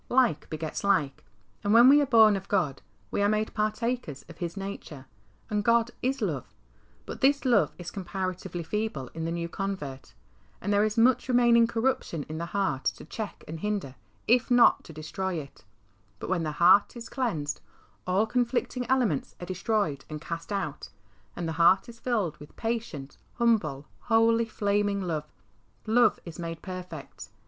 " Like begets like," and when we are born of God we are made partakers of His nature. And " God is love." But this love is com paratively feeble in the new convert, and there is much remaining corruption in the heart to check and hinder, if not to destroy it ; but when the heart is cleansed, all conflicting elements are destroyed and cast out, and the heart is filled with patient, humble, holy, flaming love. Love is made perfect.